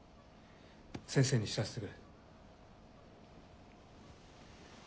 先生に知らせてくる。